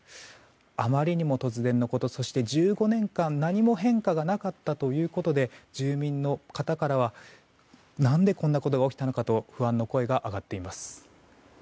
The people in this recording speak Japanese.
あまりにも突然のことそして、１５年間何も変化がなかったということで住民の方からは何でこんなことが起きたのかと不安の声が上がっています。